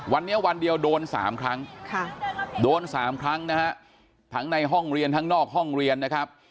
วันนี้วันเดียวโดน๓ครั้งโดน๓ครั้งนะฮะทั้งในห้องเรียนทั้งนอกห้องเรียนนะครับ